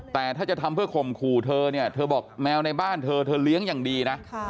แต่ถ้าจะทำเพื่อข่มขู่เธอเนี่ยเธอบอกแมวในบ้านเธอเธอเลี้ยงอย่างดีนะ